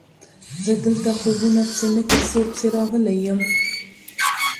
زه دلته خوبونو پسې نه کیسو پسې راغلی یم.